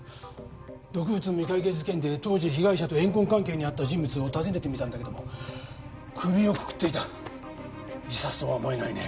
毒物未解決事件で当時被害者と怨恨関係にあった人物を訪ねてみたんだけども首をくくっていた自殺とは思えないね